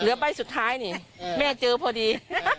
เหลือใบสุดท้ายนี่แม่เจอพอดี